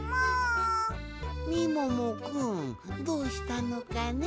みももくんどうしたのかね？